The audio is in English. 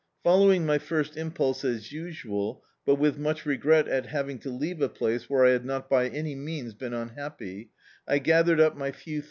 Following my first impulse, as usual, but with much regret at having to leave a place where I had not by any means been unhappy, I gathered up my few things ["3] D,i.